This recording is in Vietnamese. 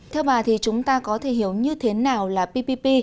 theo bà thì chúng ta có thể hiểu như thế nào là ppp